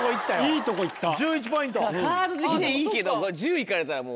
カード的にはいいけど１０いかれたらもう。